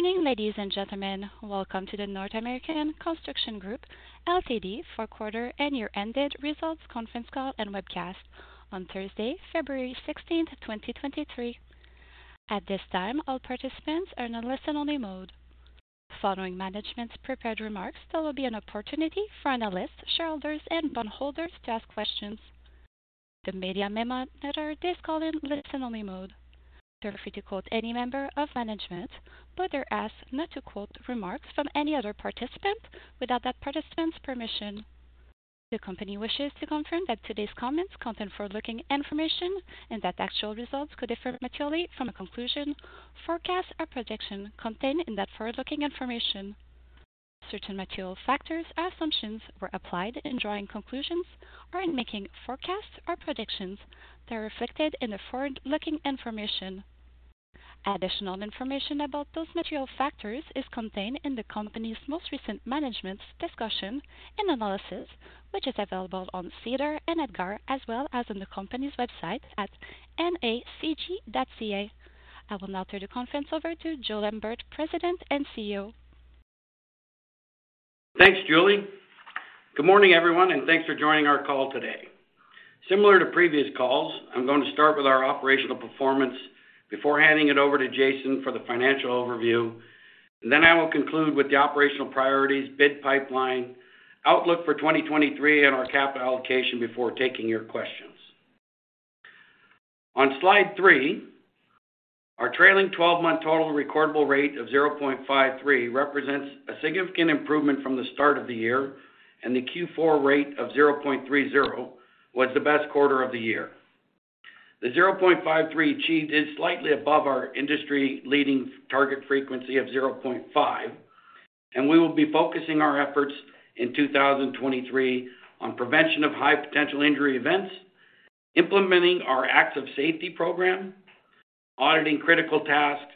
Good morning, ladies and gentlemen. Welcome to the North American Construction Group Ltd Q4 and year-ended results conference call and webcast on 16 Thursday February 2023. At this time, all participants are in a listen-only mode. Following management's prepared remarks, there will be an opportunity for analysts, shareholders, and bondholders to ask questions. The media may monitor this call in listen-only mode. Feel free to quote any member of management, but they're asked not to quote remarks from any other participant without that participant's permission. The company wishes to confirm that today's comments contain forward-looking information and that actual results could differ materially from a conclusion, forecast, or prediction contained in that forward-looking information. Certain material factors or assumptions were applied in drawing conclusions or in making forecasts or predictions that are reflected in the forward-looking information. Additional information about those material factors is contained in the company's most recent management's discussion and analysis, which is available on SEDAR and EDGAR, as well as on the company's website at nacg.ca. I will now turn the conference over to Joe Lambert, President and CEO. Thanks, Julie. Good morning, everyone, and thanks for joining our call today. Similar to previous calls, I'm going to start with our operational performance before handing it over to Jason for the financial overview. I will conclude with the operational priorities, bid pipeline, outlook for 2023 and our capital allocation before taking your questions. On slide three, our trailing- 12 -month total recordable incident rate of 0.53 represents a significant improvement from the start of the year, and the Q4 rate of 0.30 was the best quarter of the year. The 0.53 achieved is slightly above our industry-leading target frequency of 0.5, and we will be focusing our efforts in 2023 on prevention of high potential injury events, implementing our Acts of Safety program, auditing critical tasks,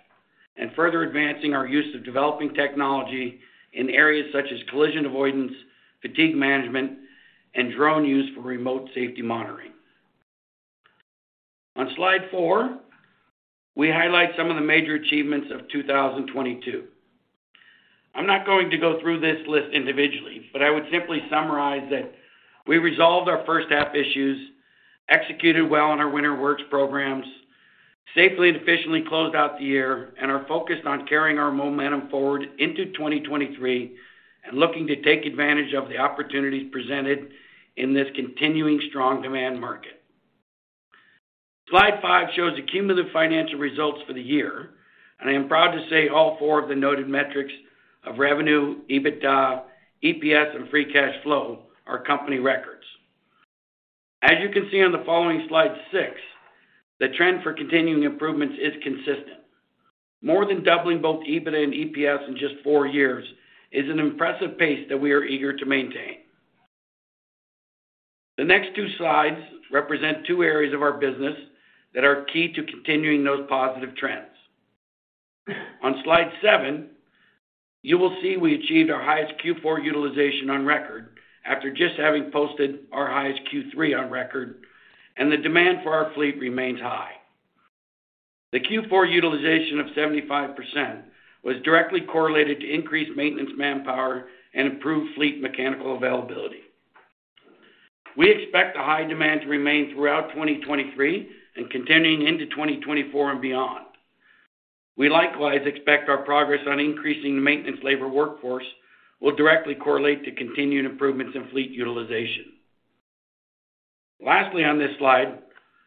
and further advancing our use of developing technology in areas such as collision avoidance, fatigue management, and drone use for remote safety monitoring. On slide four, we highlight some of the major achievements of 2022. I'm not going to go through this list individually, but I would simply summarize that we resolved our first half issues, executed well on our winter works programs, safely and efficiently closed out the year and are focused on carrying our momentum forward into 2023 and looking to take advantage of the opportunities presented in this continuing strong demand market. Slide five shows the cumulative financial results for the year. I am proud to say all four of the noted metrics of revenue, EBITDA, EPS, and free cash flow are company records. As you can see on the following slide six, the trend for continuing improvements is consistent. More than doubling both EBITDA and EPS in just four years is an impressive pace that we are eager to maintain. The next two slides represent two areas of our business that are key to continuing those positive trends. On slide seven, you will see we achieved our highest Q4 utilization on record after just having posted our highest Q3 on record. The demand for our fleet remains high. The Q4 utilization of 75% was directly correlated to increased maintenance manpower and improved fleet mechanical availability. We expect the high demand to remain throughout 2023 and continuing into 2024 and beyond. We likewise expect our progress on increasing the maintenance labor workforce will directly correlate to continued improvements in fleet utilization. Lastly, on this slide,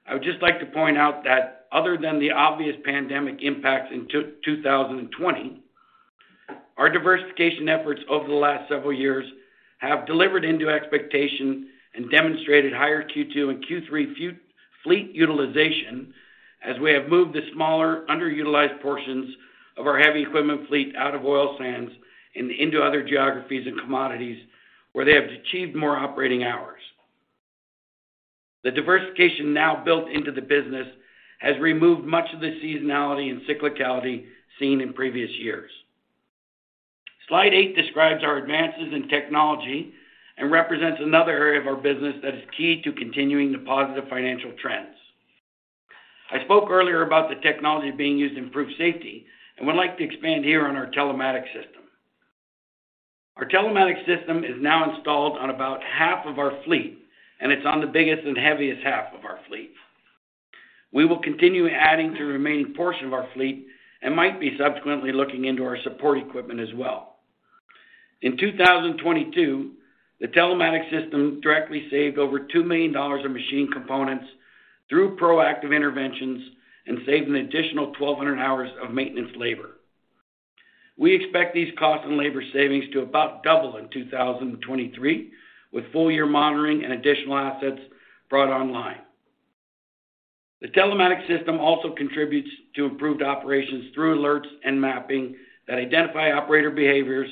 I would just like to point out that other than the obvious pandemic impacts in 2020, our diversification efforts over the last several years have delivered into expectations and demonstrated higher Q2 and Q3 fleet utilization as we have moved the smaller, underutilized portions of our heavy equipment fleet out of oil sands and into other geographies and commodities where they have achieved more operating hours. The diversification now built into the business has removed much of the seasonality and cyclicality seen in previous years. Slide eight describes our advances in technology and represents another area of our business that is key to continuing the positive financial trends. I spoke earlier about the technology being used to improve safety and would like to expand here on our telematics system. Our telematics system is now installed on about half of our fleet, and it's on the biggest and heaviest half of our fleet. We will continue adding to the remaining portion of our fleet and might be subsequently looking into our support equipment as well. In 2022, the telematics system directly saved over 2 million dollars in machine components through proactive interventions and saved an additional 1,200 hours of maintenance labor. We expect these cost and labor savings to about double in 2023, with full year monitoring and additional assets brought online. The telematics system also contributes to improved operations through alerts and mapping that identify operator behaviors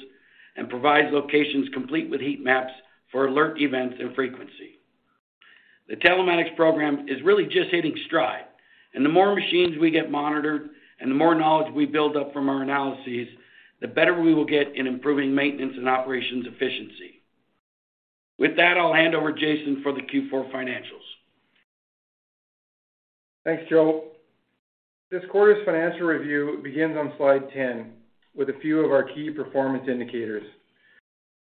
and provides locations complete with heat maps for alert events and frequency. The telematics program is really just hitting stride, and the more machines we get monitored and the more knowledge we build up from our analyses, the better we will get in improving maintenance and operations efficiency. With that, I'll hand over Jason for the Q4 financials. Thanks, Joe. This quarter's financial review begins on slide 10 with a few of our key performance indicators.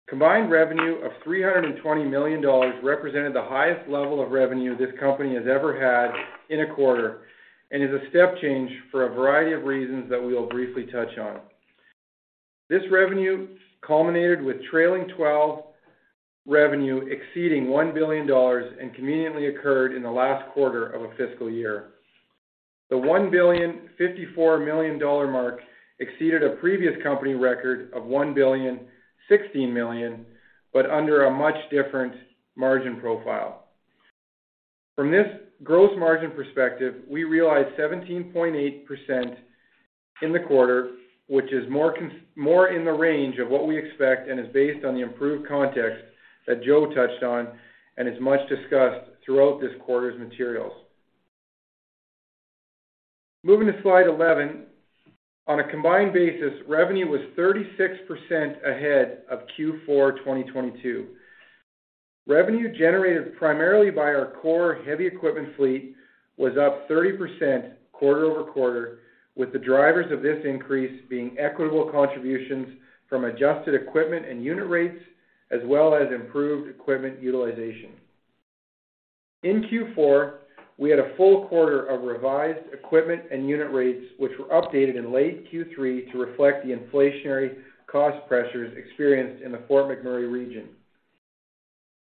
Combined revenue of 320 million dollars represented the highest level of revenue this company has ever had in a quarter. Is a step change for a variety of reasons that we will briefly touch on. This revenue culminated with trailing twelve revenue exceeding 1 billion dollars. Conveniently occurred in the last quarter of a fiscal year. The 1.054 billion mark exceeded a previous company record of 1.016 billion. Under a much different margin profile. From this gross margin perspective, we realized 17.8% in the quarter, which is more in the range of what we expect. Is based on the improved context that Joe touched on. Is much discussed throughout this quarter's materials. Moving to slide 11. On a combined basis, revenue was 36% ahead of Q4 2022. Revenue generated primarily by our core heavy equipment fleet was up 30% quarter-over-quarter, with the drivers of this increase being equitable contributions from adjusted equipment and unit rates, as well as improved equipment utilization. In Q4, we had a full quarter of revised equipment and unit rates, which were updated in late Q3 to reflect the inflationary cost pressures experienced in the Fort McMurray region.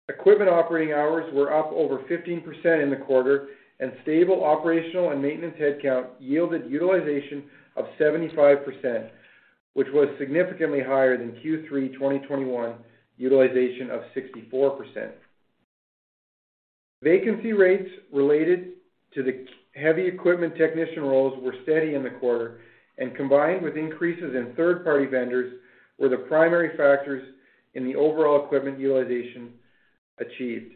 Equipment operating hours were up over 15% in the quarter, and stable operational and maintenance headcount yielded utilization of 75%, which was significantly higher than Q3 2021 utilization of 64%. Vacancy rates related to heavy equipment technician roles were steady in the quarter, and combined with increases in third-party vendors, were the primary factors in the overall equipment utilization achieved.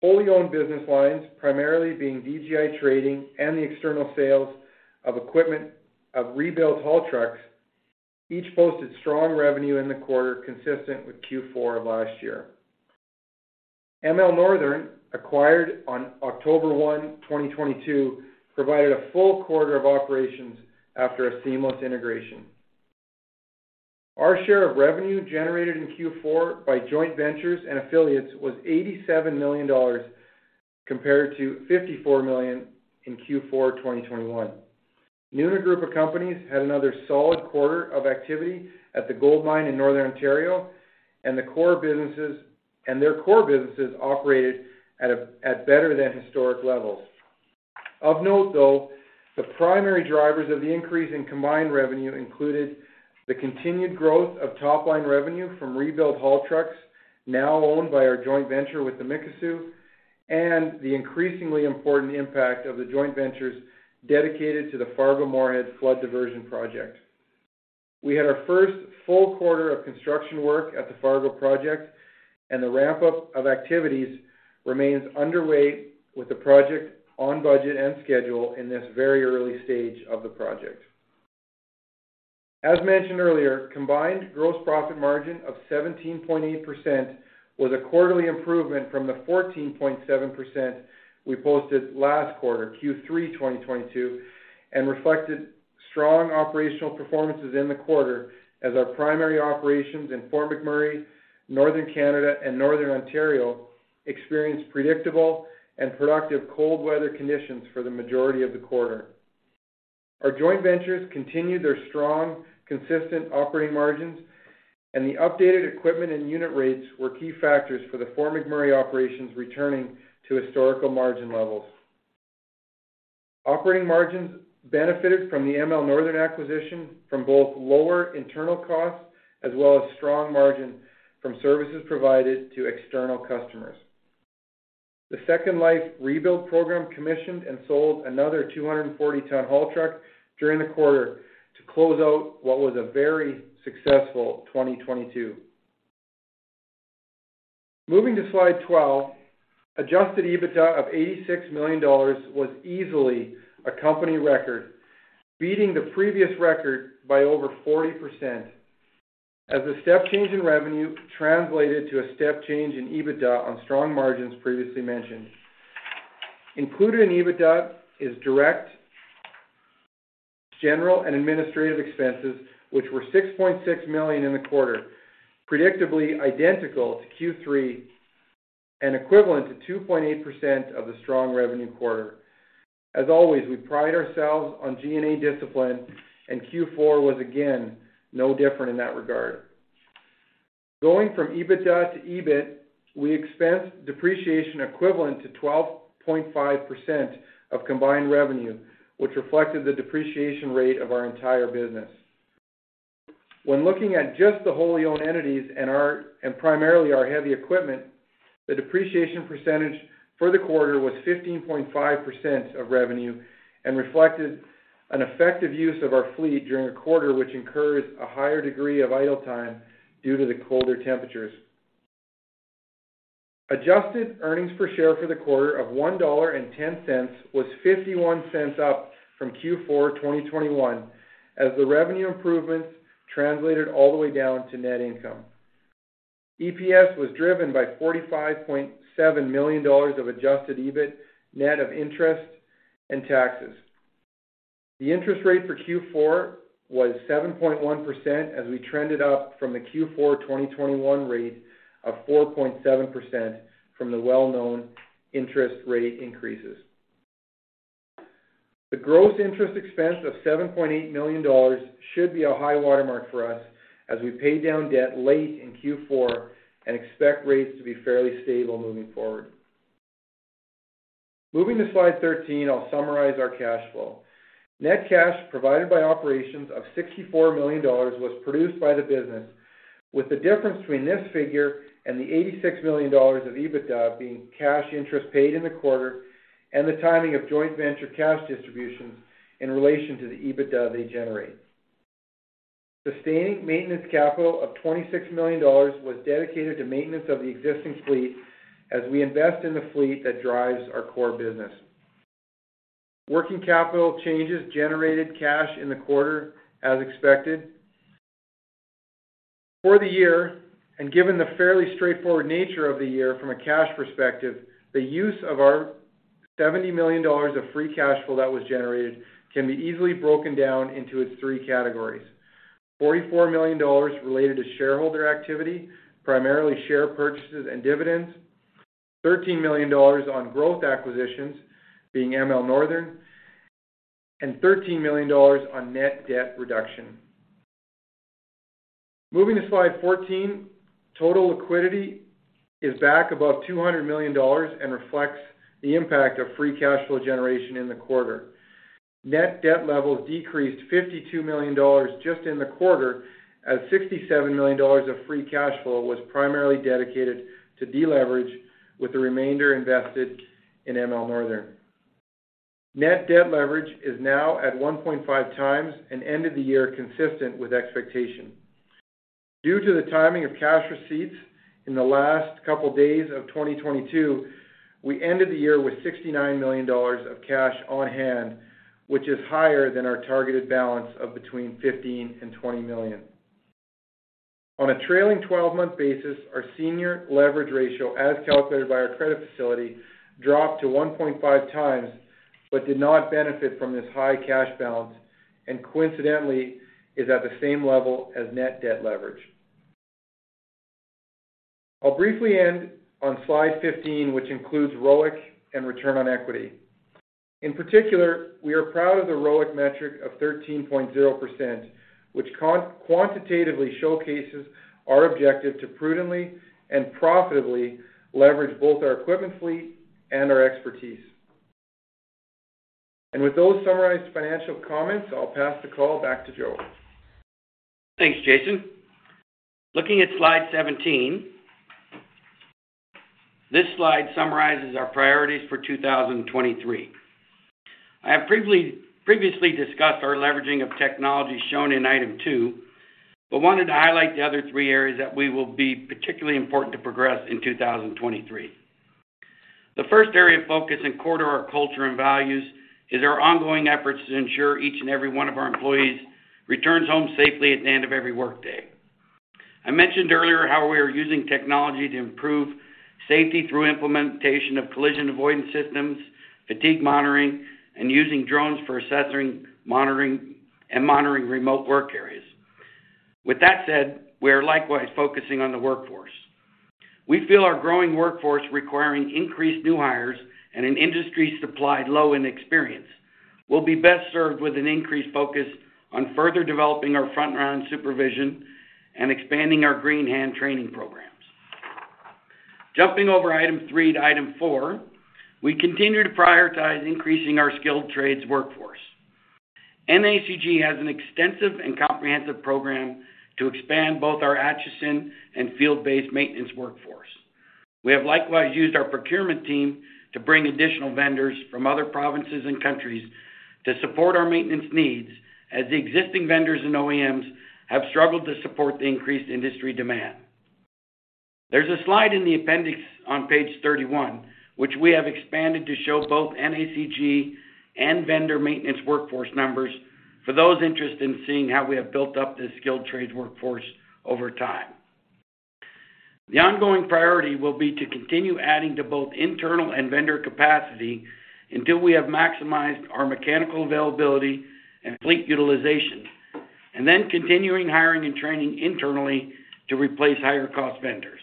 Wholly owned business lines, primarily being DGI Trading and the external sales of equipment of rebuilt haul trucks, each posted strong revenue in the quarter consistent with Q4 of last year. ML Northern, acquired on 1 October 2022, provided a full quarter of operations after a seamless integration. Our share of revenue generated in Q4 by joint ventures and affiliates was 87 million dollars, compared to 54 million in Q4, 2021. Nuna Group of Companies had another solid quarter of activity at the gold mine in Northern Ontario, and their core businesses operated at better than historic levels. Of note, though, the primary drivers of the increase in combined revenue included the continued growth of top-line revenue from rebuilt haul trucks now owned by our joint venture with the Mikisew, and the increasingly important impact of the joint ventures dedicated to the Fargo-Moorhead Flood Diversion Project. We had our first full quarter of construction work at the Fargo project, and the ramp-up of activities remains underway with the project on budget and schedule in this very early stage of the project. As mentioned earlier, combined gross profit margin of 17.8% was a quarterly improvement from the 14.7% we posted last quarter, Q3 2022, and reflected strong operational performances in the quarter as our primary operations in Fort McMurray, Northern Canada, and Northern Ontario experienced predictable and productive cold weather conditions for the majority of the quarter. Our joint ventures continued their strong, consistent operating margins. The updated equipment and unit rates were key factors for the Fort McMurray operations returning to historical margin levels. Operating margins benefited from the ML Northern acquisition from both lower internal costs as well as strong margins from services provided to external customers. The Second Life Rebuild program commissioned and sold another 240 ton haul truck during the quarter to close out what was a very successful 2022. Moving to Slide 12, adjusted EBITDA of 86 million dollars was easily a company record, beating the previous record by over 40%, as the step change in revenue translated to a step change in EBITDA on strong margins previously mentioned. Included in EBITDA is direct general and administrative expenses, which were 6.6 million in the quarter, predictably identical to Q3 and equivalent to 2.8% of the strong revenue quarter. As always, we pride ourselves on G&A discipline, and Q4 was again no different in that regard. Going from EBITDA to EBIT, we expensed depreciation equivalent to 12.5% of combined revenue, which reflected the depreciation rate of our entire business. When looking at just the wholly owned entities and primarily our heavy equipment, the depreciation percentage for the quarter was 15.5% of revenue and reflected an effective use of our fleet during a quarter which incurs a higher degree of idle time due to the colder temperatures. Adjusted earnings per share for the quarter of 1.10 dollar was 0.51 up from Q4 2021, as the revenue improvements translated all the way down to net income. EPS was driven by 45.7 million dollars of adjusted EBIT, net of interest and taxes. The interest rate for Q4 was 7.1% as we trended up from the Q4 2021 rate of 4.7% from the well-known interest rate increases. The gross interest expense of 7.8 million dollars should be a high watermark for us as we pay down debt late in Q4 and expect rates to be fairly stable moving forward. Moving to slide 13, I'll summarize our cash flow. Net cash provided by operations of 64 million dollars was produced by the business, with the difference between this figure and the 86 million dollars of EBITDA being cash interest paid in the quarter and the timing of joint venture cash distributions in relation to the EBITDA they generate. Sustaining maintenance capital of 26 million dollars was dedicated to maintenance of the existing fleet as we invest in the fleet that drives our core business. Working capital changes generated cash in the quarter as expected. For the year, given the fairly straightforward nature of the year from a cash perspective, the use of our 70 million dollars of free cash flow that was generated can be easily broken down into its three categories. 44 million dollars related to shareholder activity, primarily share purchases and dividends, 13 million dollars on growth acquisitions, being ML Northern, and 13 million dollars on net debt reduction. Moving to slide 14, total liquidity is back above 200 million dollars and reflects the impact of free cash flow generation in the quarter. Net debt levels decreased 52 million dollars just in the quarter as 67 million dollars of free cash flow was primarily dedicated to deleverage, with the remainder invested in ML Northern. Net debt leverage is now at 1.5 times and ended the year consistent with expectation. Due to the timing of cash receipts in the last couple days of 2022, we ended the year with 69 million dollars of cash on hand, which is higher than our targeted balance of between 15 and 20 million. On a trailing-twelve-month basis, our senior leverage ratio as calculated by our credit facility dropped to 1.5 times, but did not benefit from this high cash balance and coincidentally is at the same level as net debt leverage. I'll briefly end on slide 15, which includes ROIC and return on equity. In particular, we are proud of the ROIC metric of 13.0%, which quantitatively showcases our objective to prudently and profitably leverage both our equipment fleet and our expertise. With those summarized financial comments, I'll pass the call back to Joe. Thanks, Jason. Looking at slide 17, this slide summarizes our priorities for 2023. I have previously discussed our leveraging of technology shown in item two, but wanted to highlight the other three areas that we will be particularly important to progress in 2023. The first area of focus and core to our culture and values is our ongoing efforts to ensure each and every one of our employees returns home safely at the end of every workday. I mentioned earlier how we are using technology to improve safety through implementation of collision avoidance systems, fatigue monitoring, and using drones for assessing, monitoring, and monitoring remote work areas. With that said, we are likewise focusing on the workforce. We feel our growing workforce requiring increased new hires and an industry supplied low in experience will be best served with an increased focus on further developing our front-line supervision and expanding our green hand training programs. Jumping over item three to item four, we continue to prioritize increasing our skilled trades workforce. NACG has an extensive and comprehensive program to expand both our Acheson and field-based maintenance workforce. We have likewise used our procurement team to bring additional vendors from other provinces and countries to support our maintenance needs, as the existing vendors and OEMs have struggled to support the increased industry demand. There's a slide in the appendix on page 31, which we have expanded to show both NACG and vendor maintenance workforce numbers for those interested in seeing how we have built up this skilled trades workforce over time. The ongoing priority will be to continue adding to both internal and vendor capacity until we have maximized our mechanical availability and fleet utilization, and then continuing hiring and training internally to replace higher cost vendors.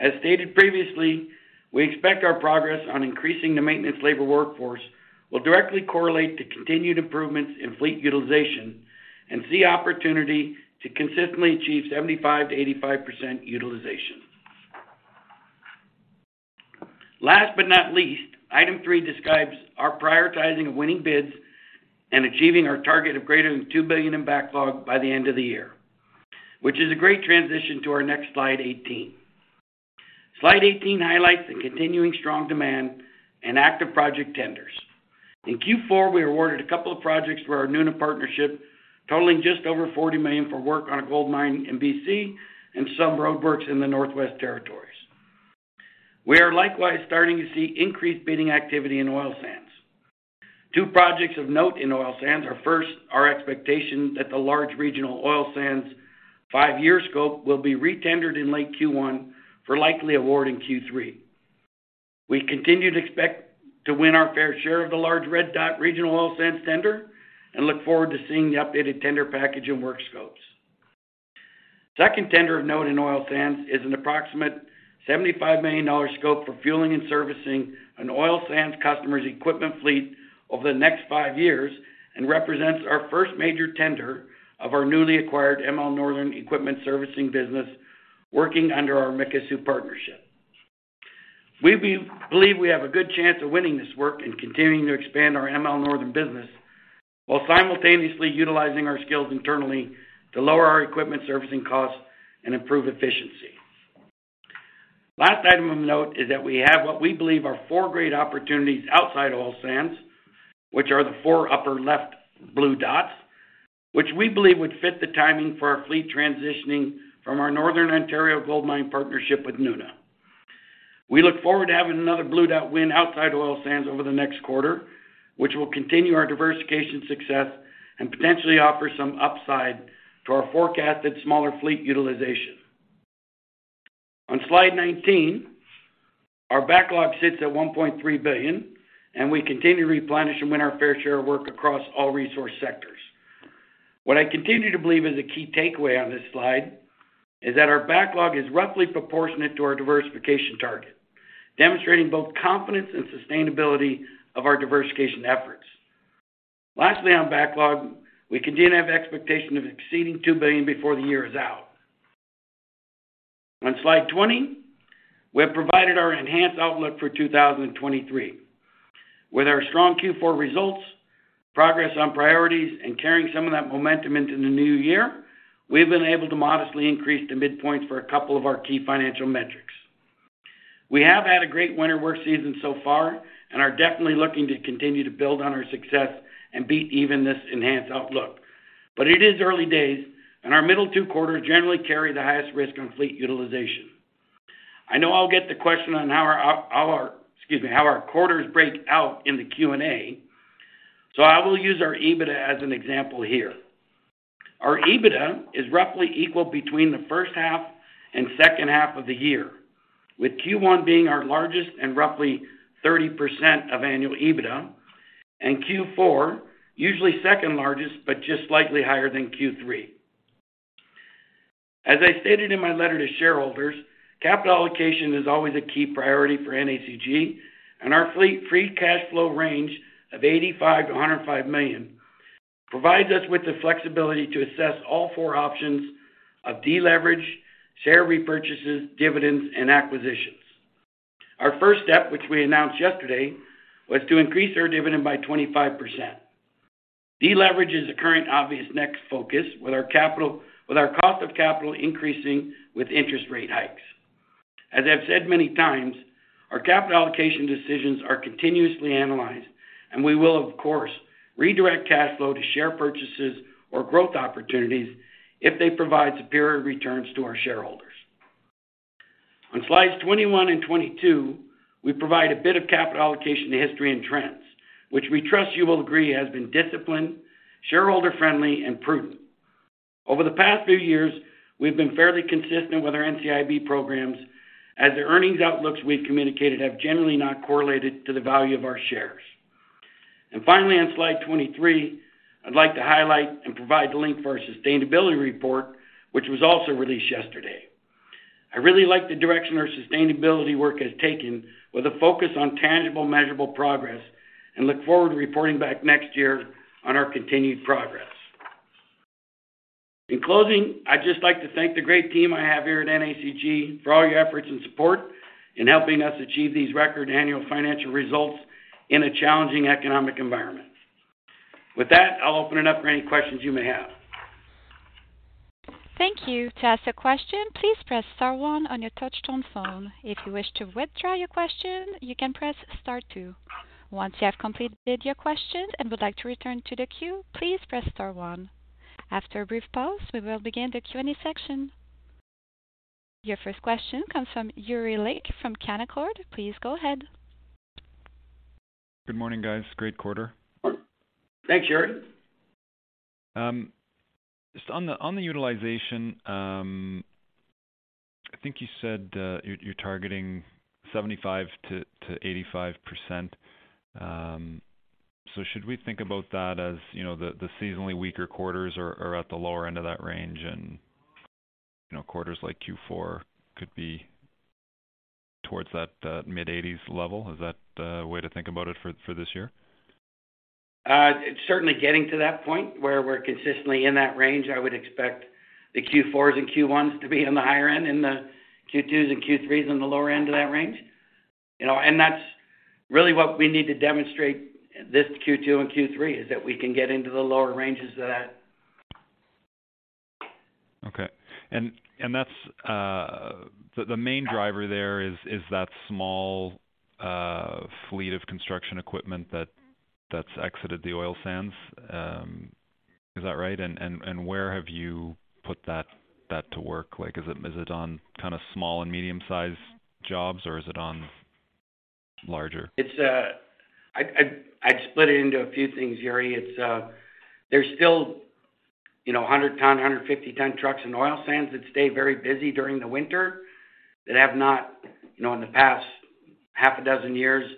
As stated previously, we expect our progress on increasing the maintenance labor workforce will directly correlate to continued improvements in fleet utilization and see opportunity to consistently achieve 75% to 85% utilization. Last but not least, item three describes our prioritizing of winning bids and achieving our target of greater than 2 billion in backlog by the end of the year, which is a great transition to our next slide 18. Slide 18 highlights the continuing strong demand and active project tenders. In Q4, we awarded a couple of projects for our Nuna partnership, totaling just over $40 million for work on a gold mine in BC and some roadworks in the Northwest Territories. We are likewise starting to see increased bidding activity in oil sands. Two projects of note in oil sands are, first, our expectation that the large regional oil sands five-year scope will be retendered in late Q1 for likely award in Q3. We continue to expect to win our fair share of the large red dot regional oil sands tender and look forward to seeing the updated tender package and work scopes. Second tender of note in oil sands is an approximate 75 million dollar scope for fueling and servicing an oil sands customer's equipment fleet over the next five years, and represents our first major tender of our newly acquired ML Northern equipment servicing business, working under our Mikisew partnership. We believe we have a good chance of winning this work and continuing to expand our ML Northern business, while simultaneously utilizing our skills internally to lower our equipment servicing costs and improve efficiency. Last item of note is that we have what we believe are four great opportunities outside oil sands, which are the four upper left blue dots, which we believe would fit the timing for our fleet transitioning from our Northern Ontario gold mine partnership with Nuna. We look forward to having another blue dot win outside oil sands over the next quarter, which will continue our diversification success and potentially offer some upside to our forecasted smaller fleet utilization. On slide 19, our backlog sits at 1.3 billion. We continue to replenish and win our fair share of work across all resource sectors. What I continue to believe is a key takeaway on this slide is that our backlog is roughly proportionate to our diversification target, demonstrating both confidence and sustainability of our diversification efforts. Lastly, on backlog, we continue to have expectation of exceeding 2 billion before the year is out. On slide 20, we have provided our enhanced outlook for 2023. With our strong Q4 results, progress on priorities, and carrying some of that momentum into the new year, we've been able to modestly increase the midpoints for a couple of our key financial metrics. We have had a great winter work season so far and are definitely looking to continue to build on our success and beat even this enhanced outlook. It is early days, and our middle two quarters generally carry the highest risk on fleet utilization. I know I'll get the question on how our quarters break out in the Q&A, so I will use our EBITDA as an example here. Our EBITDA is roughly equal between the first half and second half of the year, with Q1 being our largest and roughly 30% of annual EBITDA, and Q4 usually second largest, but just slightly higher than Q3. As I stated in my letter to shareholders, capital allocation is always a key priority for NACG. Our fleet free cash flow range of 85 million-105 million provides us with the flexibility to assess all four options of deleverage, share repurchases, dividends, and acquisitions. Our first step, which we announced yesterday, was to increase our dividend by 25%. Deleveraging is the current obvious next focus with our capital, with our cost of capital increasing with interest rate hikes. As I've said many times, our capital allocation decisions are continuously analyzed and we will of course redirect cash flow to share purchases or growth opportunities if they provide superior returns to our shareholders. On slides 21 and 22, we provide a bit of capital allocation to history and trends, which we trust you will agree has been disciplined, shareholder friendly, and prudent. Over the past few years, we've been fairly consistent with our NCIB programs as the earnings outlooks we've communicated have generally not correlated to the value of our shares. Finally, on slide 23, I'd like to highlight and provide the link for our sustainability report, which was also released yesterday. I really like the direction our sustainability work has taken with a focus on tangible, measurable progress and look forward to reporting back next year on our continued progress. In closing, I'd just like to thank the great team I have here at NACG for all your efforts and support in helping us achieve these record annual financial results in a challenging economic environment. With that, I'll open it up for any questions you may have. Thank you. To ask a question, please press star one on your touch tone phone. If you wish to withdraw your question, you can press star two. Once you have completed your question and would like to return to the queue, please press star one. After a brief pause, we will begin the Q&A section. Your first question comes from Yuri Lynk from Canaccord Genuity. Please go ahead. Good morning, guys. Great quarter. Thanks, Yuri. Just on the utilization, I think you said, you're targeting 75% to 85%. Should we think about that as the seasonally weaker quarters are at the lower end of that range and quarters like Q4 could be towards that, mid-80s level? Is that the way to think about it for this year? It's certainly getting to that point where we're consistently in that range. I would expect the Q4s and Q1s to be in the higher end and the Q2s and Q3s on the lower end of that range. That's really what we need to demonstrate this Q2 and Q3, is that we can get into the lower ranges of that. Okay. That's the main driver there is that small fleet of construction equipment that's exited the oil sands. Is that right? Where have you put that to work? Like, is it on kind of small and medium-sized jobs, or is it on larger? It's, I'd split it into a few things, Yuri. It's, there's still 100 ton, 150 ton trucks in oil sands that stay very busy during the winter that have not, in the past half a dozen years,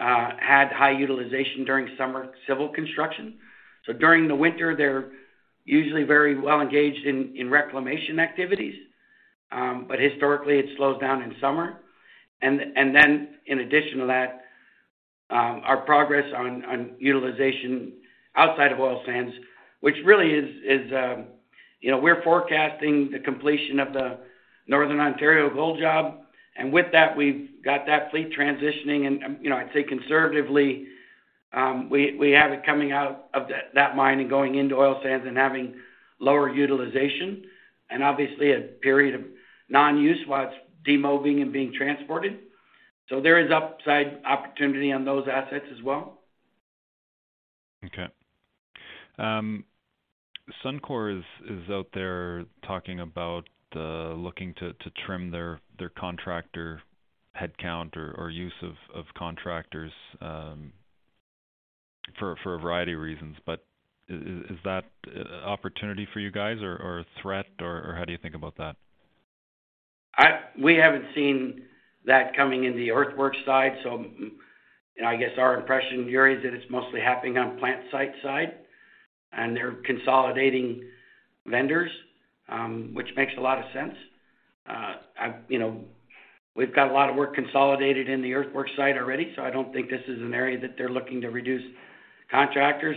had high utilization during summer civil construction. During the winter, they're usually very well engaged in reclamation activities. But historically, it slows down in summer. Then in addition to that, our progress on utilization outside of oil sands, which really is, we're forecasting the completion of the Northern Ontario gold job. With that, we've got that fleet transitioning. I'd say conservatively, we have it coming out of that mine and going into oil sands and having lower utilization and obviously a period of non-use while it's demobbing and being transported. There is upside opportunity on those assets as well. Suncor is out there talking about looking to trim their contractor headcount or use of contractors for a variety of reasons. Is that opportunity for you guys or a threat, or how do you think about that? We haven't seen that coming in the earthwork side. Our impression, Yuri, is that it's mostly happening on plant site side, and they're consolidating vendors, which makes a lot of sense. We've got a lot of work consolidated in the earthwork site already, so I don't think this is an area that they're looking to reduce contractors.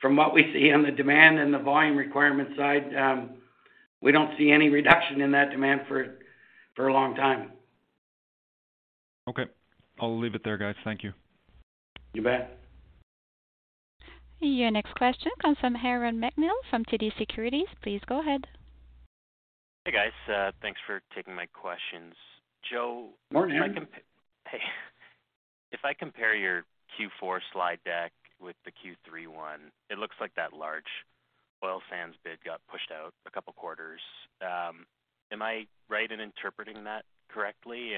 From what we see on the demand and the volume requirement side, we don't see any reduction in that demand for a long time. Okay. I'll leave it there, guys. Thank you. You bet. Your next question comes from Michael Tupholme from TD Securities. Please go ahead. Hey, guys. Thanks for taking my questions. Morning. Hey. If I compare your Q4 slide deck with the Q3 one, it looks like that large oil sands bid got pushed out a couple quarters. Am I right in interpreting that correctly?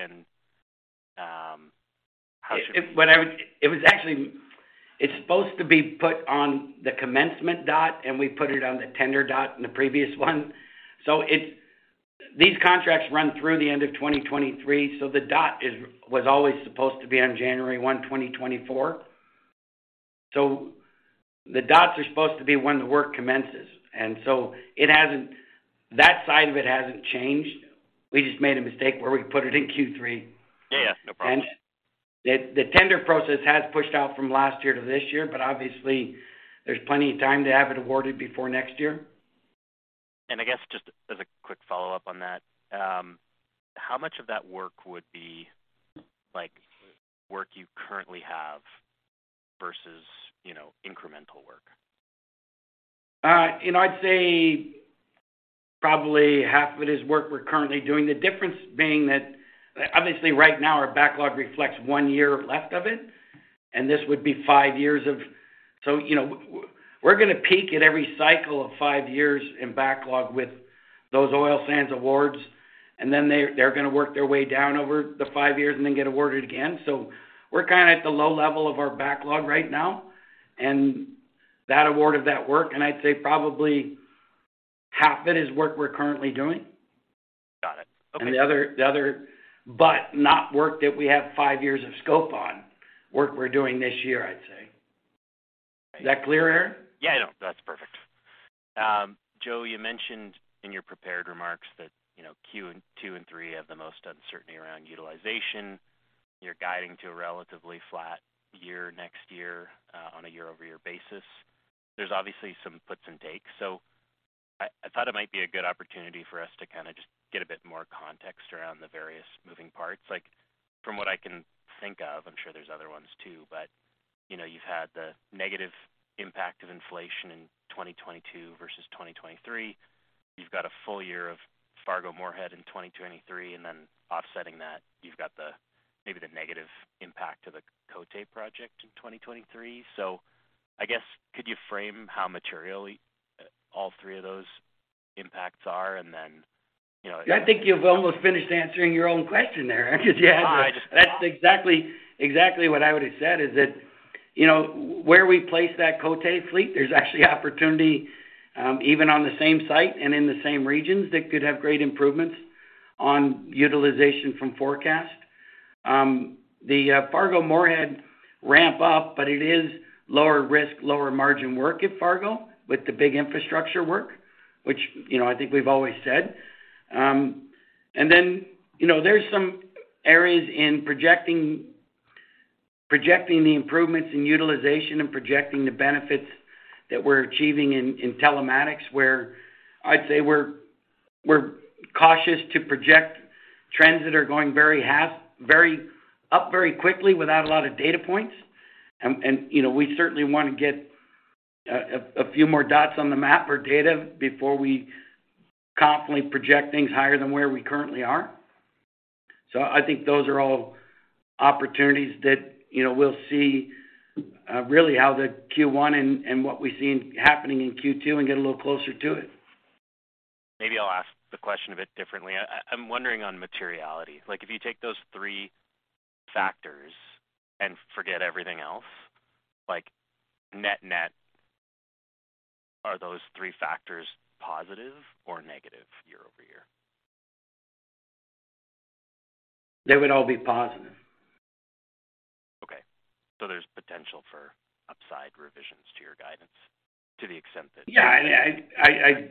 It's supposed to be put on the commencement dot, and we put it on the tender dot in the previous one. These contracts run through the end of 2023, so the dot was always supposed to be on 1 January 2024. The dots are supposed to be when the work commences, and so that side of it hasn't changed. We just made a mistake where we put it in Q3. Yeah, yeah. No problem. The tender process has pushed out from last year to this year. Obviously there's plenty of time to have it awarded before next year. I guess just as a quick follow-up on that, how much of that work would be like work you currently have versus incremental work? I'd say probably half of it is work we're currently doing. The difference being that obviously right now our backlog reflects one year left of it, and this would be five years of... we're going peak at every cycle of five years in backlog with those oil sands awards, and then they're gonna work their way down over the five years and then get awarded again. We're kinda at the low level of our backlog right now and that award of that work, and I'd say probably half it is work we're currently doing. Got it. Okay. The other, not work that we have five years of scope on, work we're doing this year, I'd say. Is that clear, Aaron? Yeah, no. That's perfect. Joe, you mentioned in your prepared remarks that Q2 and Q3 have the most uncertainty around utilization. You're guiding to a relatively flat year next year on a year-over-year basis. There's obviously some puts and takes. I thought it might be a good opportunity for us to kinda just get a bit more context around the various moving parts. Like, from what I can think of, I'm sure there's other ones too, but, you've had the negative impact of inflation in 2022 versus 2023. You've got a full year of Fargo-Moorhead in 2023, and then offsetting that, you've got the, maybe the negative impact of the Cote project Côté project I think you've almost finished answering your own question there, Aaron. 'Cause yeah- Oh, I. That's exactly what I would've said is that where we place that Cote fleet, there's actually opportunity, even on the same site and in the same regions that could have great improvements on utilization from forecast. The Fargo-Moorhead ramp up, but it is lower risk, lower margin work at Fargo with the big infrastructure work, which I think we've always said. There's some areas in projecting the improvements in utilization and projecting the benefits that we're achieving in telematics, where I'd say we're cautious to project trends that are going up very quickly without a lot of data points. We certainly wanna get a few more dots on the map or data before we confidently project things higher than where we currently are. I think those are all opportunities that, we'll see really how the Q1 and what we see happening in Q2 and get a little closer to it. Maybe I'll ask the question a bit differently. I'm wondering on materiality. Like, if you take those three factors and forget everything else, net, are those three factors positive or negativeYoY? They would all be positive. Okay. There's potential for upside revisions to your guidance to the extent that- Yeah. I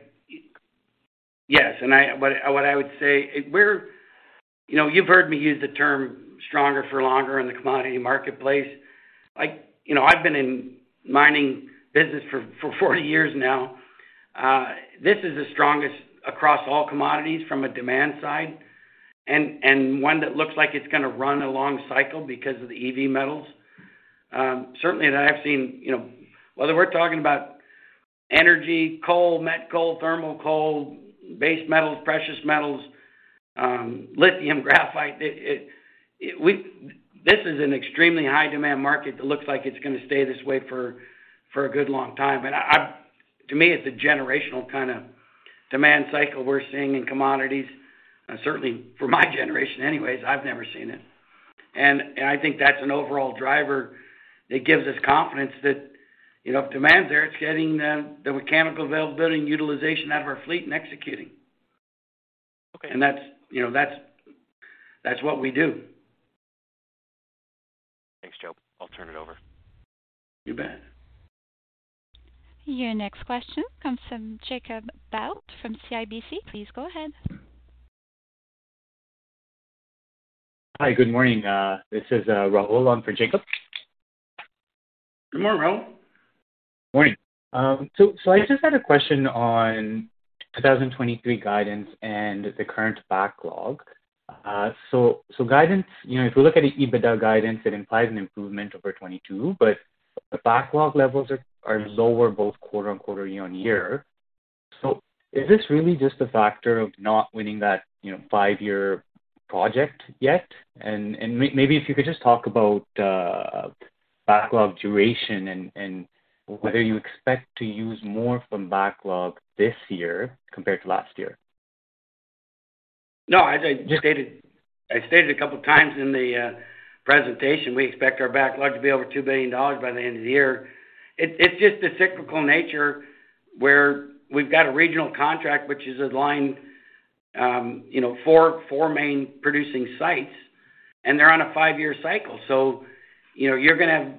Yes, what I would say, you've heard me use the term stronger for longer in the commodity marketplace. Like, I've been in mining business for 40 years now. This is the strongest across all commodities from a demand side and one that looks like it's gonna run a long cycle because of the EV metals. Certainly that I've seen, whether we're talking about energy, coal, met coal, thermal coal, base metals, precious metals, lithium, graphite, This is an extremely high demand market that looks like it's gonna stay this way for a good long time. To me, it's a generational kind of demand cycle we're seeing in commodities. Certainly for my generation anyways, I've never seen it. That's an overall driver that gives us confidence that, if demands there, it's getting the mechanical availability and utilization out of our fleet and executing. Okay. That's, what we do. Thanks, Joe. I'll turn it over. You bet. Your next question comes from Jacob Bout from CIBC. Please go ahead. Hi. Good morning. This is, Rahul on for Jacob. Good morning, Rahul. Morning. I just had a question on 2023 guidance and the current backlog. Guidance, if we look at the EBITDA guidance, it implies an improvement over 22, but the backlog levels are lower both quarter-over-quarter, year-over-year. Is this really just a factor of not winning that, five-year project yet? Maybe if you could just talk about backlog duration and whether you expect to use more from backlog this year compared to last year. No. As I just stated a couple of times in the presentation, we expect our backlog to be over 2 billion dollars by the end of the year. It's just the cyclical nature where we've got a regional contract, which is a line, you know, four main producing sites, and they're on a five-year cycle. And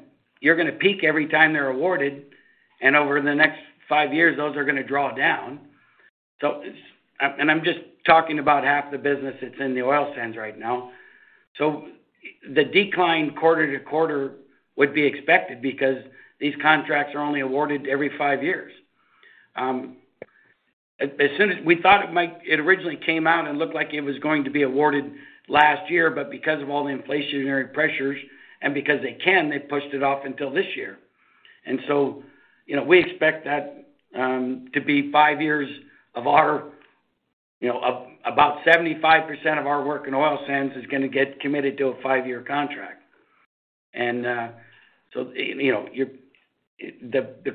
I'm just talking about half the business that's in the Oil Sands right now. The decline quarter-to-quarter would be expected because these contracts are only awarded every five years. We thought it might... It originally came out and looked like it was going to be awarded last year, but because of all the inflationary pressures and because they can, they pushed it off until this year. We expect that to be five years of our about 75% of our work in oil sands is gonna get committed to a five-year contract. The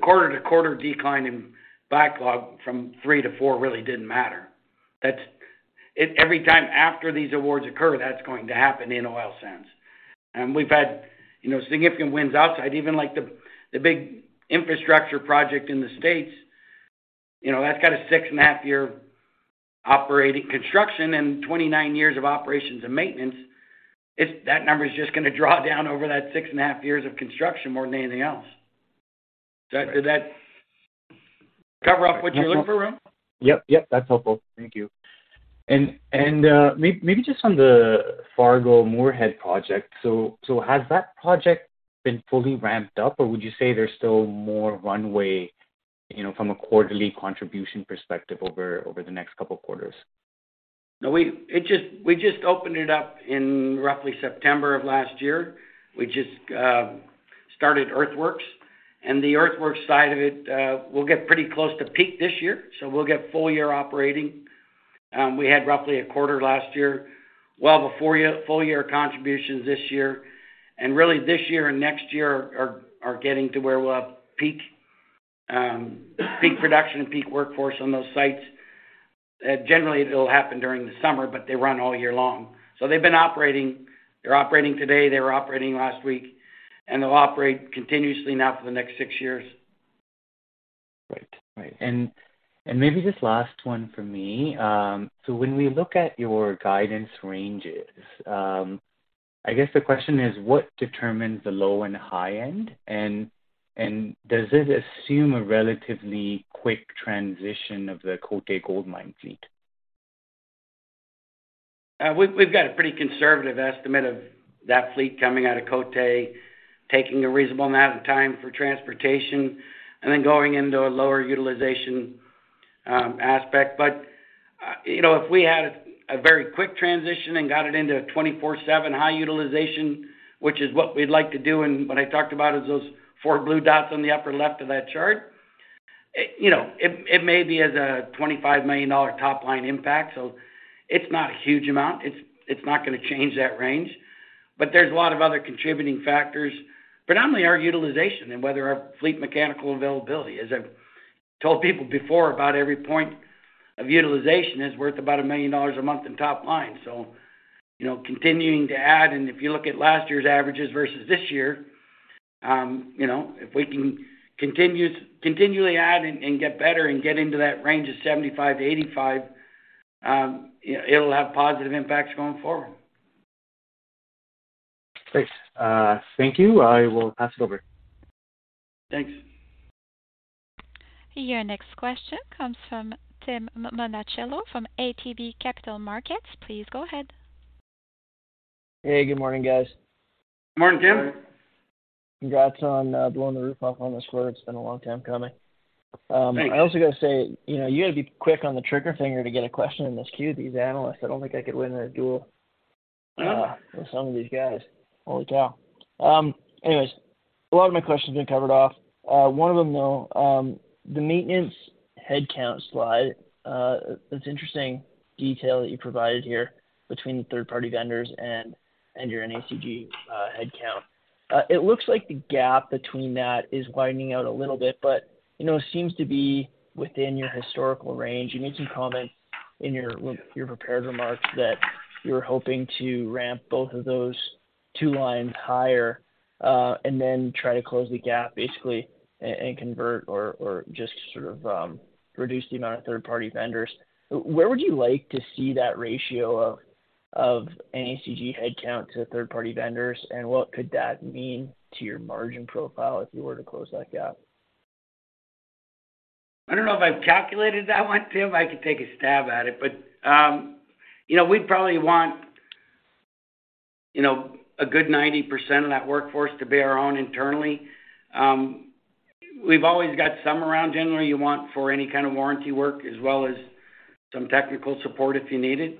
quarter to quarter decline in backlog from three to four really didn't matter. That's Every time after these awards occur, that's going to happen in oil sands. We've had, significant wins outside, even like the big infrastructure project in the States. That's got a six and a half year operating construction and 29 years of operations and maintenance. That number is just gonna draw down over that six and a half years of construction more than anything else. Did that cover up what you're looking for, Rahul? Yep. That's helpful. Thank you. Maybe just on the Fargo-Moorhead project. Has that project been fully ramped up, or would you say there's still more runway, from a quarterly contribution perspective over the next couple of quarters? No. We just opened it up in roughly September of last year. We just started earthworks. The earthworks side of it will get pretty close to peak this year, so we'll get full year operating. We had roughly a quarter last year. We'll have a full year contributions this year. Really, this year and next year are getting to where we'll have peak production and peak workforce on those sites. Generally, it'll happen during the summer, but they run all year long. They've been operating. They're operating today, they were operating last week, and they'll operate continuously now for the next 6 years. Right. Right. Maybe this last one for me. When we look at your guidance ranges, I guess the question is, what determines the low and high end? Does it assume a relatively quick transition of the Coté Gold mine fleet? We've got a pretty conservative estimate of that fleet coming out of Coté, taking a reasonable amount of time for transportation, and then going into a lower utilization aspect. If we had a very quick transition and got it into a 24/7 high utilization, which is what we'd like to do, and what I talked about is those four blue dots on the upper left of that chart. It may be as a 25 million dollar top line impact, so it's not a huge amount. It's not gonna change that range. There's a lot of other contributing factors, predominantly our utilization and whether our fleet mechanical availability. As I've told people before, about every point of utilization is worth about 1 million dollars a month in top line. Continuing to add, and if you look at last year's averages versus this year, if we can continually add and get better and get into that range of 75 to 85, it'll have positive impacts going forward. Great. Thank you. I will pass it over. Thanks. Your next question comes from Tim Monachello from ATB Capital Markets. Please go ahead. Hey, good morning, guys. Good morning, Tim. Congrats on blowing the roof off on this quarter. It's been a long time coming. Thanks. I also gotta say, you gotta be quick on the trigger finger to get a question in this queue, these analysts. I don't think I could win a duel. Yeah... with some of these guys. Holy cow. A lot of my questions have been covered off. One of them, though, the maintenance headcount slide, it's interesting detail that you provided here between the third-party vendors and your NACG headcount. It looks like the gap between that is widening out a little bit, it seems to be within your historical range. You made some comments in your prepared remarks that you were hoping to ramp both of those two lines higher, and then try to close the gap, basically, and convert or just sort of reduce the amount of third-party vendors. Where would you like to see that ratio of NACG headcount to third-party vendors? What could that mean to your margin profile if you were to close that gap? I don't know if I've calculated that one, Tim. I could take a stab at it. We'd probably want, a good 90% of that workforce to be our own internally. We've always got some around. Generally, you want for any kind of warranty work as well as some technical support if you need it.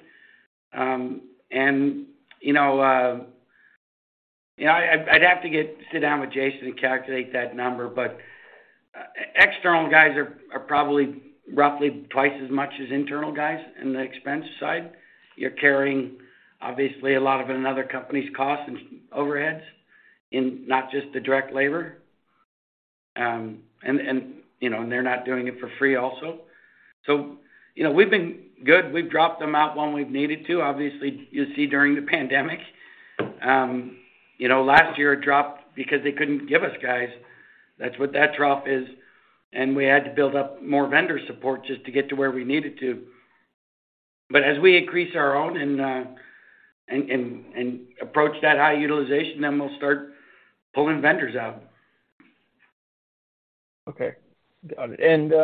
I'd have to sit down with Jason and calculate that number. External guys are probably roughly two x as much as internal guys in the expense side. You're carrying, obviously, a lot of another company's cost and overheads in not just the direct labor. They're not doing it for free also. We've been good. We've dropped them out when we've needed to. Obviously, you see during the pandemic. Last year it dropped because they couldn't give us guys. That's what that drop is, and we had to build up more vendor support just to get to where we needed to. As we increase our own and approach that high utilization, then we'll start pulling vendors out. Okay. Got it.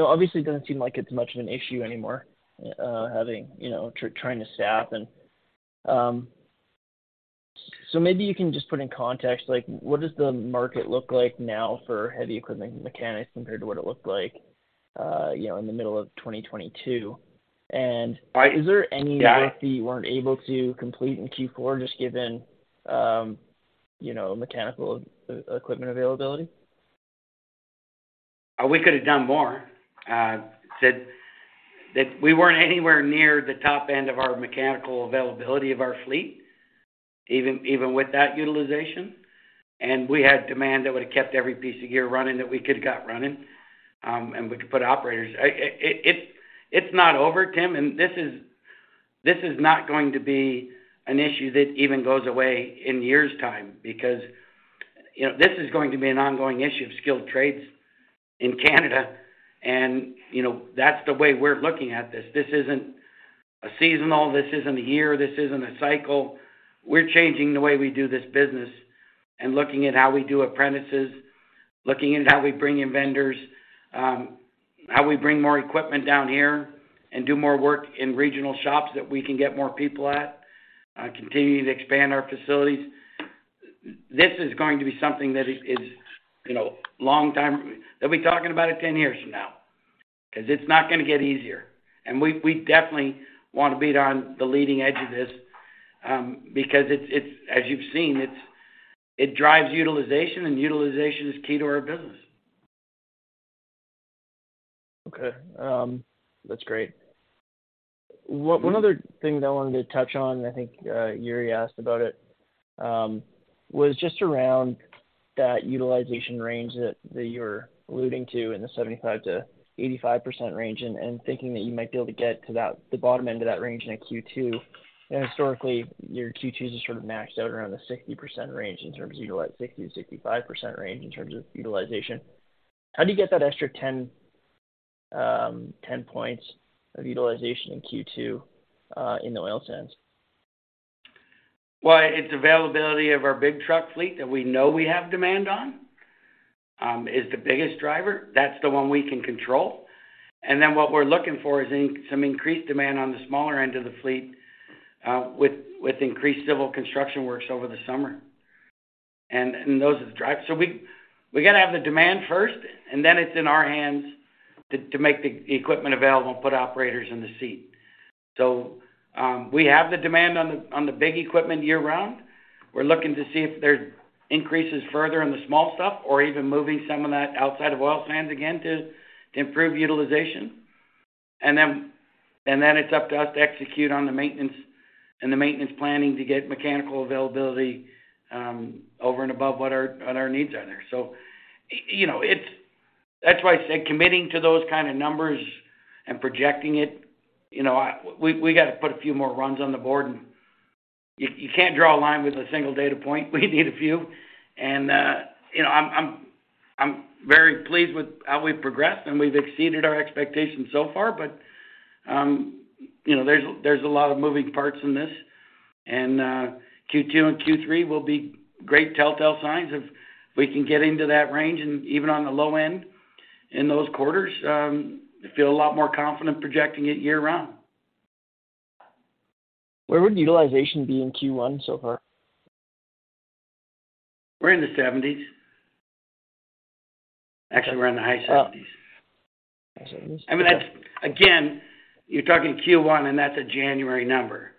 Obviously it doesn't seem like it's much of an issue anymore, having trying to staff. Maybe you can just put in context, like, what does the market look like now for heavy equipment mechanics compared to what it looked like in the middle of 2022? I- Is there any work that you weren't able to complete in Q4 just given mechanical equipment availability? We could have done more. Said that we weren't anywhere near the top end of our mechanical availability of our fleet, even with that utilization. We had demand that would have kept every piece of gear running that we could have got running, and we could put operators... It's not over, Tim, and this is not going to be an issue that even goes away in years' time because, this is going to be an ongoing issue of skilled trades in Canada. That's the way we're looking at this. This isn't a seasonal, this isn't a year, this isn't a cycle. We're changing the way we do this business and looking at how we do apprentices, looking at how we bring in vendors, how we bring more equipment down here and do more work in regional shops that we can get more people at, continuing to expand our facilities. This is going to be something that is for a long time. They'll be talking about it 10 years from now 'cause it's not gonna get easier. We've, we definitely wanna be on the leading edge of this, because it's, as you've seen, it's, it drives utilization, and utilization is key to our business. Okay. That's great. One other thing that I wanted to touch on, I think Yuri asked about it, was just around that utilization range that you're alluding to in the 75%-85% range and thinking that you might be able to get to that, the bottom end of that range in a Q2. Historically, your Q2s are sort of maxed out around the 60% range in terms of 60%-65% range in terms of utilization. How do you get that extra 10 points of utilization in Q2 in the oil sands? It's availability of our big truck fleet that we know we have demand on is the biggest driver. That's the one we can control. What we're looking for is some increased demand on the smaller end of the fleet with increased civil construction works over the summer. Those are the drives. We gotta have the demand first, and then it's in our hands to make the equipment available and put operators in the seat. We have the demand on the big equipment year-round. We're looking to see if there's increases further in the small stuff or even moving some of that outside of oil sands again to improve utilization. It's up to us to execute on the maintenance and the maintenance planning to get mechanical availability over and above what our needs are there. That's why I said committing to those kind of numbers and projecting it, we gotta put a few more runs on the board. You can't draw a line with a single data point, we need a few. I'm very pleased with how we've progressed, and we've exceeded our expectations so far, but, there's a lot of moving parts in this. Q2 and Q3 will be great telltale signs if we can get into that range and even on the low end in those quarters, feel a lot more confident projecting it year-round. Where would utilization be in Q1 so far? We're in the 70s. Actually, we're in the high seventies. High 70s. I mean, that's. Again, you're talking Q1, and that's a January number.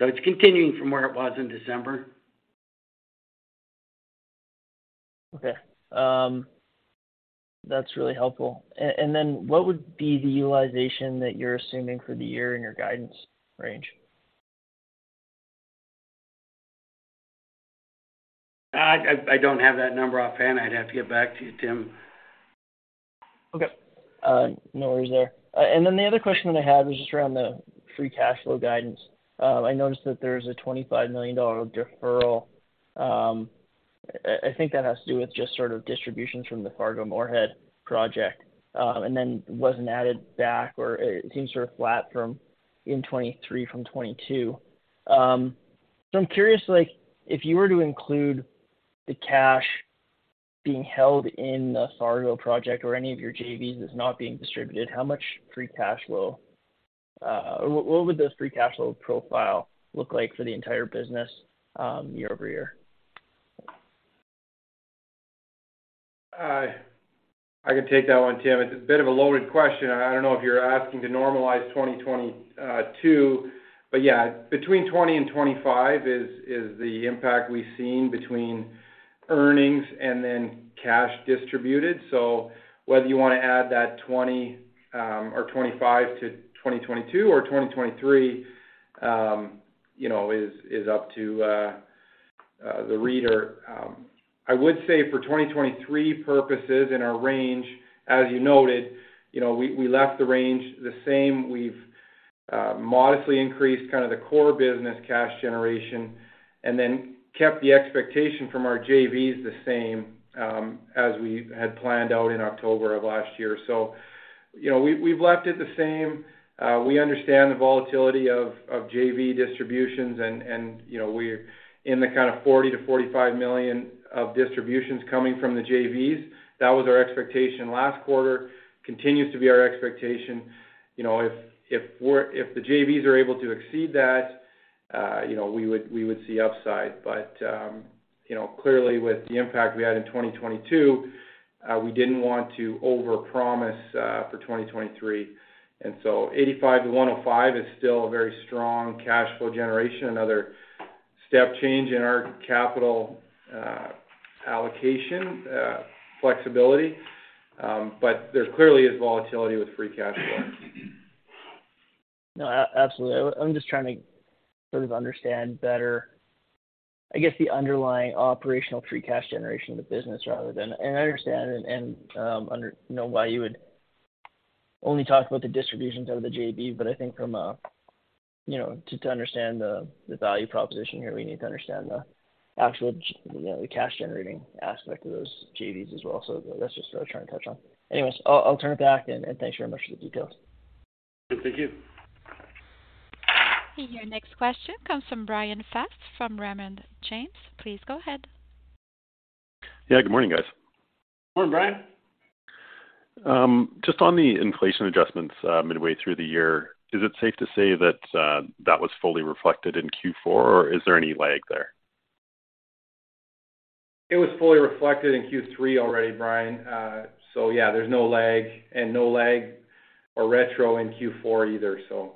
It's continuing from where it was in December. Okay. That's really helpful. What would be the utilization that you're assuming for the year in your guidance range? I don't have that number offhand. I'd have to get back to you, Tim. Okay. No worries there. The other question that I had was just around the free cash flow guidance. I noticed that there's a $25 million deferral. I think that has to do with just sort of distributions from the Fargo-Moorhead project, and then wasn't added back or it seems sort of flat from in 2023 from 2022. I'm curious, like, if you were to include the cash being held in the Fargo project or any of your JVs that's not being distributed, what would this free cash flow profile look like for the entire business year-over-year? I can take that one, Tim. It's a bit of a loaded question. I don't know if you're asking to normalize 2022, yeah, between 20 and 25 is the impact we've seen between earnings and then cash distributed. Whether you wanna add that 20 or 25 to 2022 or 2023 is up to the reader. I would say for 2023 purposes in our range, as you noted, we left the range the same. We've modestly increased kind of the core business cash generation and then kept the expectation from our JVs the same as we had planned out in October of last year. We've left it the same. We understand the volatility of JV distributions and we're in the kind of 40 to 45 million of distributions coming from the JVs. That was our expectation last quarter, continues to be our expectation. IF the JVs are able to exceed that we would see upside. Clearly with the impact we had in 2022, we didn't want to overpromise for 2023. 85 million to 105 million is still a very strong cash flow generation, another step change in our capital allocation flexibility. There clearly is volatility with free cash flow. No, absolutely. I'm just trying to sort of understand better, I guess, the underlying operational free cash generation of the business rather than. I understand why you would only talk about the distributions out of the JV, but I think from a, you know, to understand the value proposition here, we need to understand the actual the cash generating aspect of those JVs as well. That's just what I was trying to touch on. Anyways, I'll turn it back and thanks very much for the details. Good. Thank you. Your next question comes from Frédéric Bastien Yeah. Good morning, guys. Morning, Brian. Just on the inflation adjustments, midway through the year, is it safe to say that that was fully reflected in Q4, or is there any lag there? It was fully reflected in Q3 already, Frédéric Bastien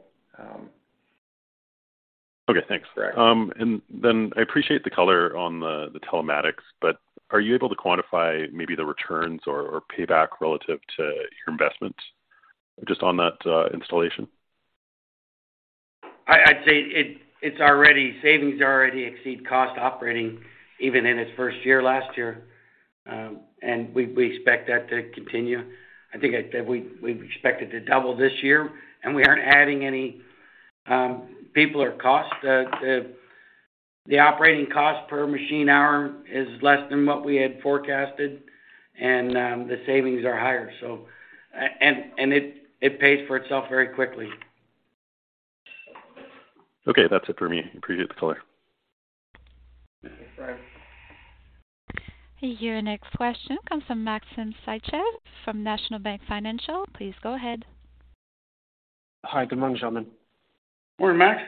Okay, thanks. Correct. I appreciate the color on the telematics, but are you able to quantify maybe the returns or payback relative to your investment just on that installation? I'd say it's already savings already exceed cost operating even in its first year last year. We expect that to continue. I think that we expect it to double this year, and we aren't adding any people or cost. The operating cost per machine hour is less than what we had forecasted, and the savings are higher, so. It pays for itself very quickly. Okay. That's it for me. Appreciate the color. Thanks, Frederic Bastien. Your next question comes from Maxim Sytchev from National Bank Financial. Please go ahead. Hi. Good morning, gentlemen. Morning, Max.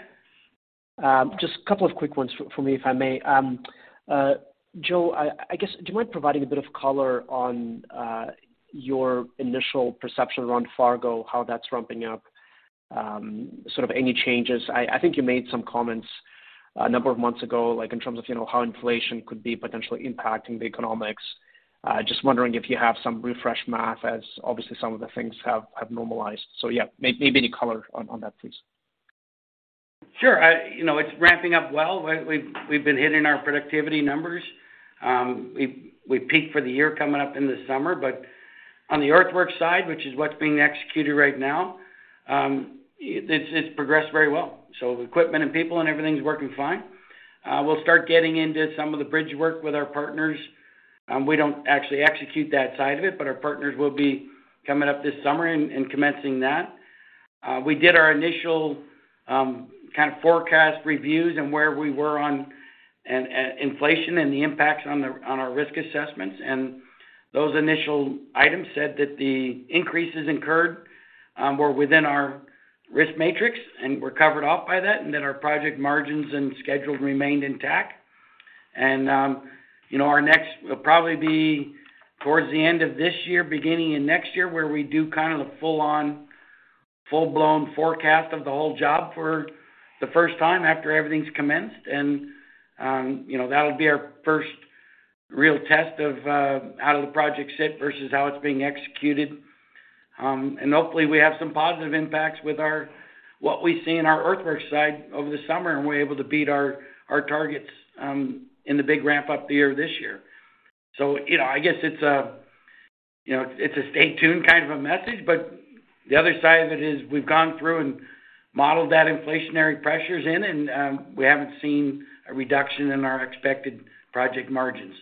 Just a couple of quick ones for me, if I may. Joe, I guess, do you mind providing a bit of color on your initial perception around Fargo, how that's ramping up, sort of any changes? I think you made some comments a number of months ago, like in terms of how inflation could be potentially impacting the economics. Just wondering if you have some refreshed math as obviously some of the things have normalized. Yeah, maybe any color on that, please. Sure. It's ramping up well. We've been hitting our productivity numbers. We peak for the year coming up in the summer. On the earthworks side, which is what's being executed right now, it's progressed very well. Equipment and people and everything's working fine. We'll start getting into some of the bridge work with our partners. We don't actually execute that side of it, but our partners will be coming up this summer and commencing that. We did our initial kind of forecast reviews and where we were on an inflation and the impacts on our risk assessments. Those initial items said that the increases incurred were within our risk matrix, and were covered off by that, and that our project margins and schedules remained intact. Our next will probably be towards the end of this year, beginning in next year, where we do kind of the full-on, full-blown forecast of the whole job for the first time after everything's commenced. That'll be our first real test of how do the projects sit versus how it's being executed. Hopefully, we have some positive impacts with what we see in our earthworks side over the summer, and we're able to beat our targets in the big ramp-up the year this year. IT's a stay tuned kind of a message, but the other side of it is we've gone through and modeled that inflationary pressures in, and we haven't seen a reduction in our expected project margins.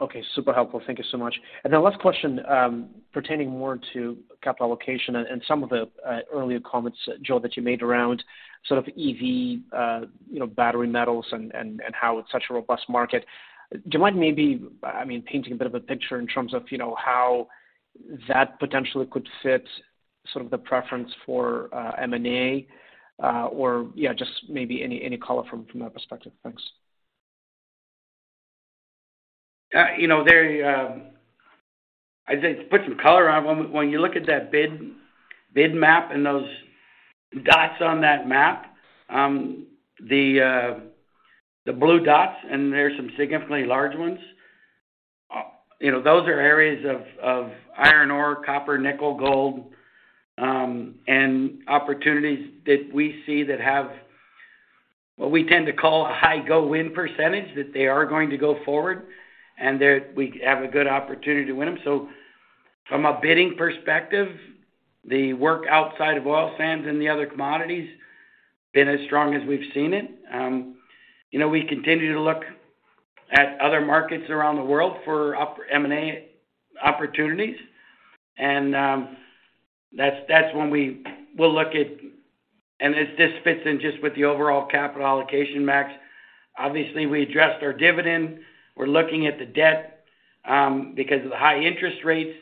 Okay. Super helpful. Thank you so much. The last question, pertaining more to capital allocation and some of the earlier comments, Joe, that you made around sort of EV, battery metals and, and how it's such a robust market. Do you mind maybe, I mean, painting a bit of a picture in terms of how that potentially could fit sort of the preference for M&A, or yeah, just maybe any color from that perspective? Thanks. There, I'd say to put some color on when you look at that bid map and those dots on that map, the blue dots, and there's some significantly large ones, those are areas of iron ore, copper, nickel, gold, and opportunities that we see that have what we tend to call a high go win %. They are going to go forward, and that we have a good opportunity to win them. From a bidding perspective, the work outside of oil sands and the other commodities been as strong as we've seen it. We continue to look at other markets around the world for M&A opportunities. That's when we will look at. This fits in just with the overall capital allocation, Max. Obviously, we addressed our dividend. We're looking at the debt, because of the high interest rates,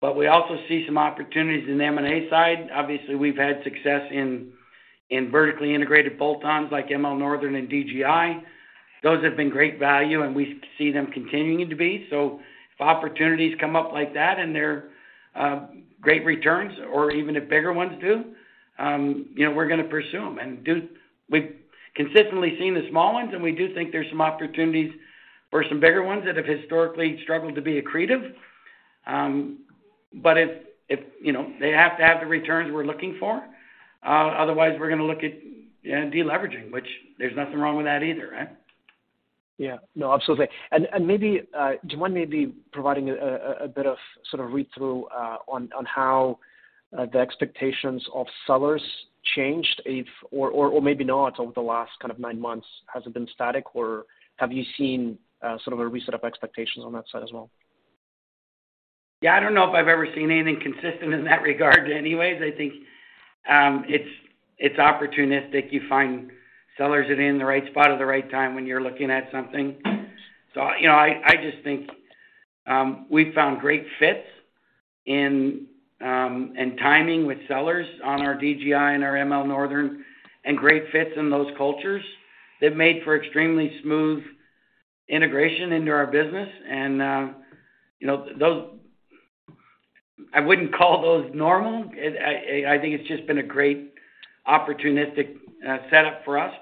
but we also see some opportunities in the M&A side. Obviously, we've had success in vertically integrated bolt-ons like ML Northern and DGI. Those have been great value, and we see them continuing to be. If opportunities come up like that and they're great returns or even if bigger ones do, we're gonna pursue them. We've consistently seen the small ones, and we do think there's some opportunities for some bigger ones that have historically struggled to be accretive. If they have to have the returns we're looking for, otherwise we're gonna look at de-leveraging, which there's nothing wrong with that either, right? Yeah. No, absolutely. Maybe, do you mind maybe providing a bit of sort of read-through on how the expectations of sellers changed if or maybe not over the last kind of nine months? Has it been static, or have you seen sort of a reset of expectations on that side as well? Yeah, I don't know if I've ever seen anything consistent in that regard anyways. I think, it's opportunistic. You find sellers that are in the right spot at the right time when you're looking at something. I just think, we found great fits in timing with sellers on our DGI and our ML Northern and great fits in those cultures that made for extremely smooth integration into our business. Those I wouldn't call those normal. I think it's just been a great opportunistic setup for us.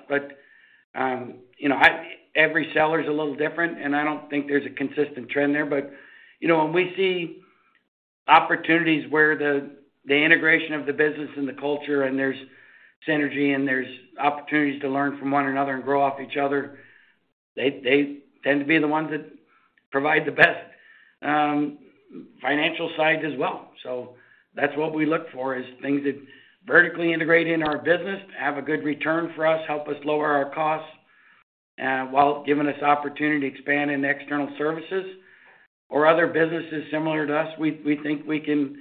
Every seller is a little different, and I don't think there's a consistent trend there. When we see opportunities where the integration of the business and the culture and there's synergy and there's opportunities to learn from one another and grow off each other, they tend to be the ones that provide the best financial side as well. That's what we look for, is things that vertically integrate in our business, have a good return for us, help us lower our costs, while giving us opportunity to expand into external services or other businesses similar to us. We think we can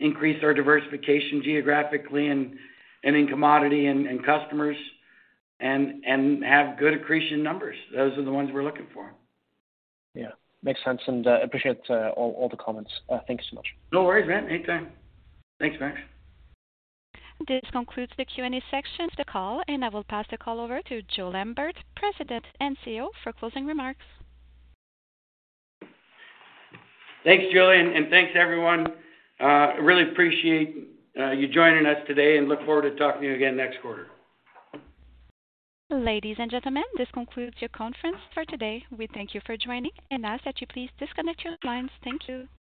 increase our diversification geographically and in commodity and customers and have good accretion numbers. Those are the ones we're looking for. Yeah. Makes sense. Appreciate all the comments. Thank you so much. No worries, Max. Anytime. Thanks, Max. This concludes the Q&A section of the call, and I will pass the call over to Joe Lambert, President and CEO, for closing remarks. Thanks, Julie, and thanks everyone. Really appreciate you joining us today, and look forward to talking to you again next quarter. Ladies and gentlemen, this concludes your conference for today. We thank you for joining and ask that you please disconnect your lines. Thank you.